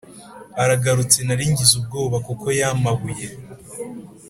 Aragarutse naringize ubwoba kuko yampabuye